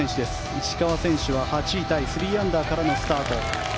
石川選手は８位タイ３アンダーからのスタート。